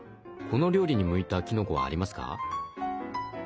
この料理に向いたきのこはありますか？